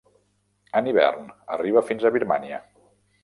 En hivern arriba fins a Birmània.